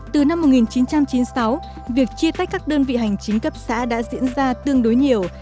từ năm một nghìn chín trăm chín mươi sáu việc chia tách các đơn vị hành chính cấp xã đã diễn ra tương đối nhiều